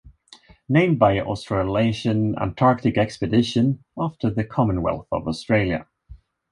Named by Australasian Antarctic Expedition after the Commonwealth of Australia.